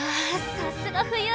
さすが「冬」。